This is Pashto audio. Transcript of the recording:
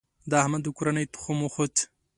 د احمد د کورنۍ تخم وخوت.